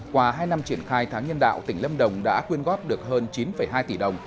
qua hai năm triển khai tháng nhân đạo tỉnh lâm đồng đã quyên góp được hơn chín hai tỷ đồng